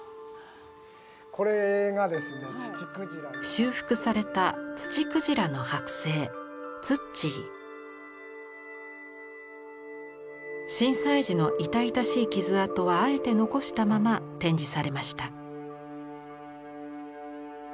修復された震災時の痛々しい傷痕はあえて残したまま展示されました。